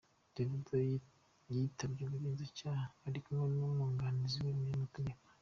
Davido yitabye ubugenzacyaha ari kumwe n’umwunganizi we mu mategeko.